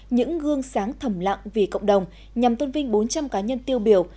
những gương sáng thầm lặng vì cộng đồng nhằm tôn vinh bốn trăm linh cá nhân tiêu biểu